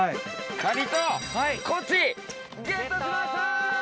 カニとコチゲットしました！